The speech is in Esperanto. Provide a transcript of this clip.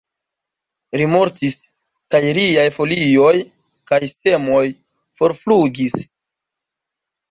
Ri mortis, kaj riaj folioj kaj semoj forflugis.